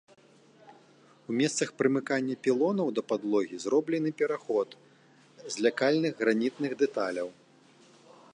У месцах прымыкання пілонаў да падлогі зроблены пераход з лякальных гранітных дэталяў.